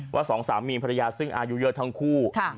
สองสามีภรรยาซึ่งอายุเยอะทั้งคู่